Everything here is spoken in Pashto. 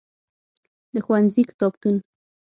د ښوونځی کتابتون.